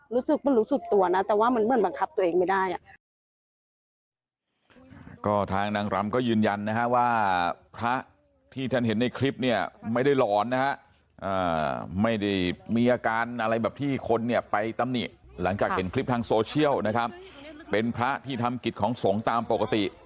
รู้สึกตัวนะแต่ว่ามันเหมือนบังคับตัวเองไม่ได้